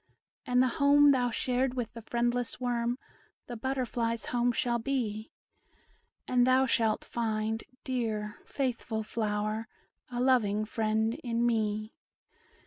And the home thou shared with the friendless worm The butterfly's home shall be; And thou shalt find, dear, faithful flower, A loving friend in me."